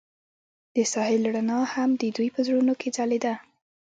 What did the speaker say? د ساحل رڼا هم د دوی په زړونو کې ځلېده.